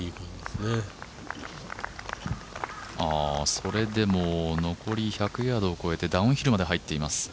それでも残り１００ヤードを超えてダウンヒルまで入っています。